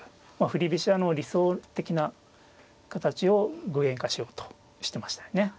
振り飛車の理想的な形を具現化しようとしてましたよね。